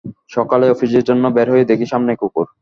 সকালে অফিসের জন্য বের হয়ে দেখি সামনেই কুকুর।